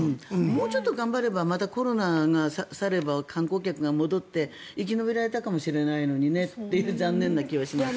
もうちょっと頑張ればコロナが去って観光客が戻って生き延びられたかもしれないのにねという残念な気はします。